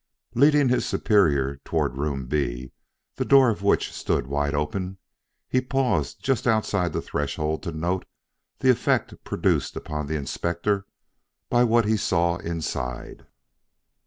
Leading his superior toward Room B, the door of which stood wide open, he paused just outside the threshold to note the effect produced upon the Inspector by what he saw inside.